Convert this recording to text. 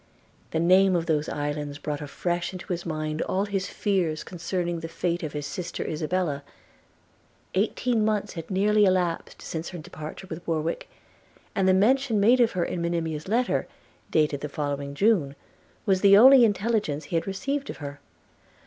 The name of those islands brought afresh into his mind all his fears concerning the fate of his sister Isabella: eighteen months had nearly elapsed since her departure with Warwick; and the mention made of her in Monimia's letter, dated the following June, was the only intelligence he had received of her.